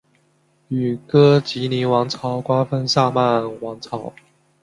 与哥疾宁王朝瓜分萨曼王朝。